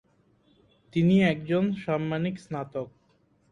তিনি একজন সাম্মানিক স্নাতক।